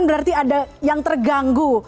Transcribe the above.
berarti ada yang terganggu